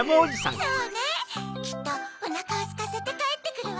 そうねきっとおなかをすかせてかえってくるわ。